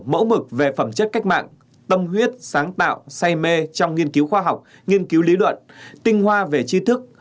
mẫu mực về phẩm chất cách mạng tâm huyết sáng tạo say mê trong nghiên cứu khoa học nghiên cứu lý luận tinh hoa về chi thức